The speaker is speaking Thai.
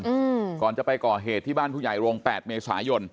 อืมก่อนจะไปก่อเหตุที่บ้านผู้ใหญ่โรงแปดเมษายน